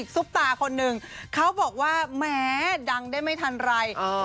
ซุปตาคนหนึ่งเขาบอกว่าแม้ดังได้ไม่ทันไร